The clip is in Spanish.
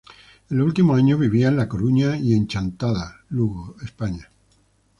En los últimos años vivía en La Coruña y en Chantada, Lugo, España.